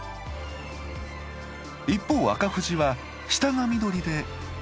一方赤富士は下が緑で上は赤。